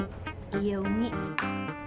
udah makan pak